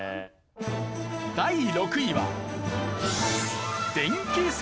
第６位は。